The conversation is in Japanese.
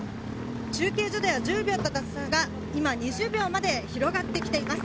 中継所では１０秒あった差が今２０秒まで広がってきています。